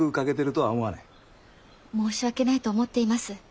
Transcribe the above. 申し訳ないと思っています。